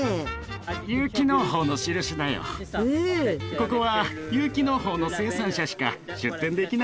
ここは有機農法の生産者しか出店できない市場なんだよ。